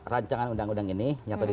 rancangan undang undang ini